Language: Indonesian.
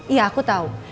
iya aku tau